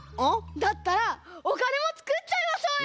だったらおかねもつくっちゃいましょうよ！